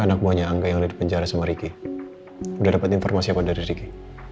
anak buahnya angga yang ada di penjara sama riki sudah dapat informasi apa dari ricky